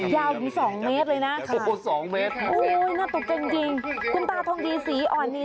ยาวอยู่๒เมตรเลยนะครับโอ๊ยน่าตกกันจริงคุณตาทองดีสีอ่อนนี่